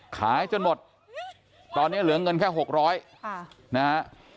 จนหมดตอนนี้เหลือเงินแค่๖๐๐นะฮะ